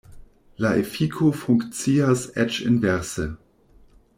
La efiko funkcias eĉ inverse.